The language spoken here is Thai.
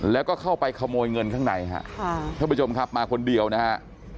แล้วก็เข้าไปขโมยเงินข้างในฮะค่ะท่านผู้ชมครับมาคนเดียวนะฮะ